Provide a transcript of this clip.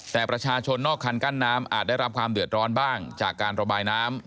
แต่ประชาชนนอกคันกั้นน้ำอาจได้รับความเดือดร้อนบ้างจากการระบายน้ำ